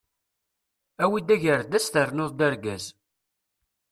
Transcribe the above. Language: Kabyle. Awi-d agerdas ternuḍ-d argaz!